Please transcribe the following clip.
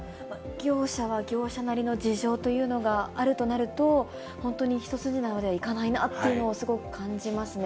業者は業者なりの事情というのがあるとなると、本当に一筋縄ではいかないなというのをすごく感じますね。